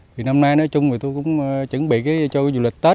vì năm nay nói chung thì tôi cũng chuẩn bị cho du lịch tết